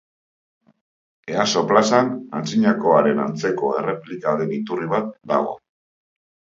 Easo plazan, antzinakoaren antzeko erreplika den iturri bat dago.